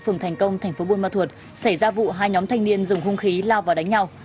phường thành công thành phố buôn ma thuột xảy ra vụ hai nhóm thanh niên dùng hung khí lao vào đánh nhau